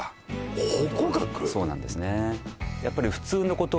そうなんですね